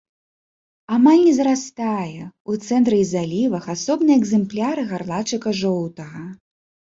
Амаль не зарастае, у цэнтры і залівах асобныя экзэмпляры гарлачыка жоўтага.